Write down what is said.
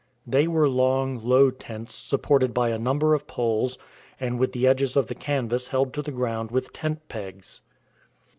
They were long, low tents supported by a number of poles and with the edges of the canvas held to the ground with tent pegs.